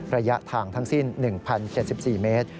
ระยะทางทั้งสิ้น๑๐๗๔เมตร